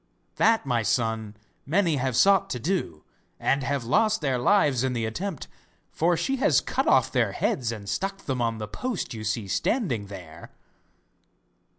'That, my son, many have sought to do, and have lost their lives in the attempt; for she has cut off their heads and stuck them on the post you see standing there.